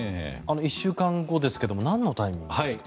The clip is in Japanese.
１週間後ですがなんのタイミングですか？